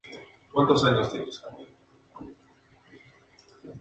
Monck nació en Portsmouth, Hampshire.